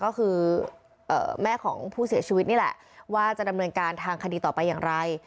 ก็คือแม่ของผู้เสียชีวิตนี่แหละว่าจะดำเนินการทางคดีต่อไปอย่างไร